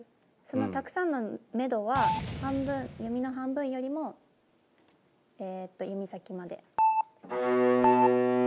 その「たくさん」のめどは半分弓の半分よりも弓先まで。